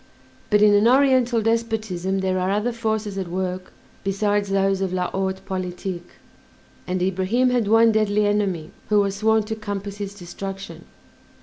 But in an oriental despotism there are other forces at work besides those of la haute politique, and Ibrahim had one deadly enemy who was sworn to compass his destruction.